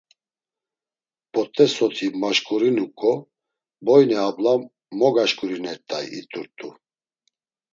P̌ot̆e soti maşǩurinuǩo, boyne abla mogaşǩurinert̆ay, it̆urt̆u.